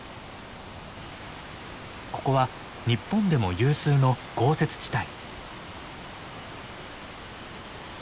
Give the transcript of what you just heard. ここは日本でも有数の豪雪地帯。